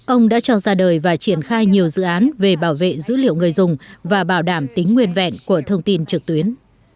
ông đã cho ra đời và triển khai nhiều dự án về bảo vệ dữ liệu người dùng và bảo đảm tính nguyên vẹn của thông tin trực tuyến